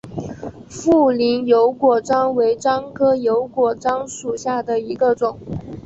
富宁油果樟为樟科油果樟属下的一个种。